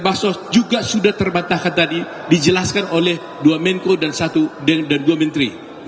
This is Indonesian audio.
baso juga sudah terbantahkan tadi dijelaskan oleh dua menko dan dua menteri